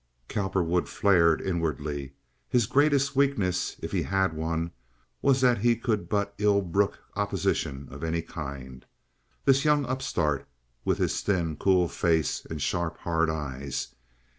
Cowperwood flared inwardly. His greatest weakness, if he had one, was that he could but ill brook opposition of any kind. This young upstart, with his thin, cool face and sharp, hard eyes!